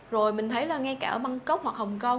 rồi mình thấy là ngay cả ở bangkok hoặc hồng kông